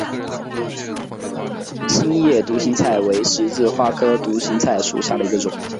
心叶独行菜为十字花科独行菜属下的一个种。